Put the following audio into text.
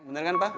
bener kan pak